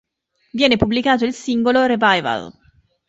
Viene pubblicato il singolo "Revival".